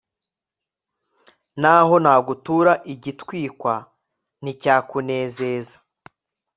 n'aho nagutura igitwikwa, nticyakunezeza